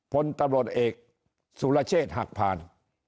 พลตรวจเอกสุลเชษหักผ่าน